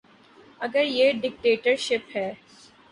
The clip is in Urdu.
اگر یہ ڈکٹیٹرشپ ہے۔